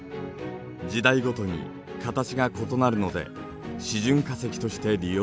時代ごとに形が異なるので示準化石として利用されています。